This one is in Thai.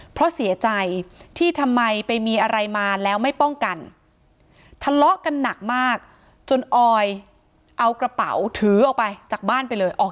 เพราะเสียใจที่ทำไมไปมีอะไรมาแล้วไม่ป้องกันทะเลาะกันหนักมากจนออยเอากระเป๋าถือออกไปจากบ้านไปเลย